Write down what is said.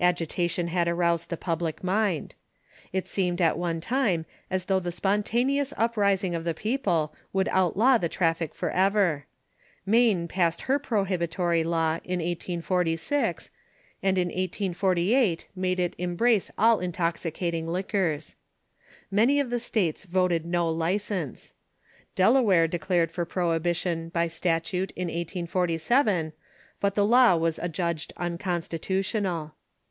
Agitation had aroused the public mind. It seemed at one time as though the spontaneous up rising of the people would outlaw the traffic forever. Maine passed her prohibitoi y law in 1846, and in 1848 made it em brace all intoxicating liquors. Many of the states voted no license. Delaware declared for Prohibition by statute in 1847, but the law was adjudged unconstitutional.